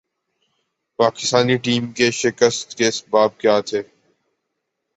Pakistani team کے شکست کے اسباب کیا تھے ۔